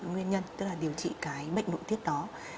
nguyên nhân tức là điều trị cái bệnh nội tiết đó